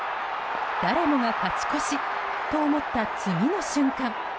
誰もが勝ち越しと思った次の瞬間